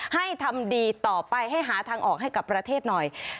ให้ทำดีต่อไปให้หาทางออกให้กับประเทศหน่อย